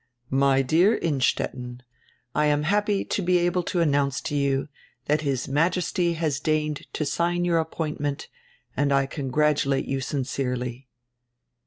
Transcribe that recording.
"My dear Innstetten: I am happy to be able to announce to you that His Majesty has deigned to sign your appointment and I congratulate you sincerely."